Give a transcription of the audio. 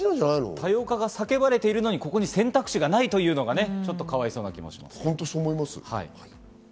多様化が叫ばれているのにここに選択肢がないのがかわいそうな気がしますね。